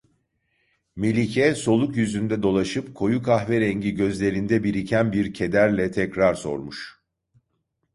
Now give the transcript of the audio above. Melike soluk yüzünde dolaşıp koyu kahverengi gözlerinde biriken bir kederle tekrar sormuş: